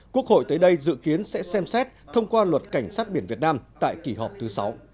quốc hội tới đây dự kiến sẽ xem xét thông qua luật cảnh sát biển việt nam tại kỳ họp thứ sáu